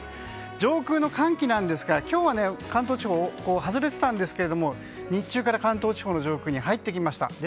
上空の寒気ですが今日は関東地方を外れていたんですけれども日中から関東地方の上空に入ってきました。